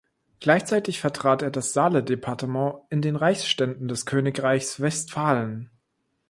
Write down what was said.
Gleichzeitig vertrat er das Saale-Departement in den Reichsständen des Königreichs Westphalen.